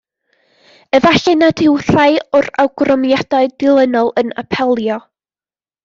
Efallai nad yw rhai o'r awgrymiadau dilynol yn apelio.